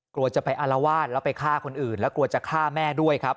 กลัวจะไปอารวาสแล้วไปฆ่าคนอื่นแล้วกลัวจะฆ่าแม่ด้วยครับ